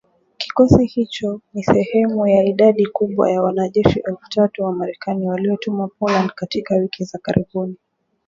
Kikosi hicho ni sehemu ya idadi kubwa ya wanajeshi elfu tatu wa Marekani waliotumwa Poland katika wiki za karibuni.